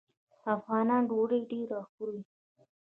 افغانان ډوډۍ ډیره خوري.